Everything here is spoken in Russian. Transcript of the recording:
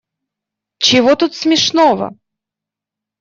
Чего тут смешного?